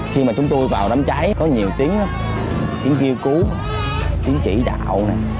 khi mà chúng tôi vào đám cháy có nhiều tiếng kêu cứu tiếng chỉ đạo